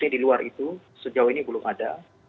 di luar itu sejauh ini belum ada